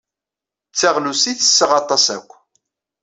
D taɣlust ay ttesseɣ aṭas akk.